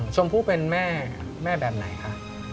ชมผู้เป็นแม่แบบไหนคะ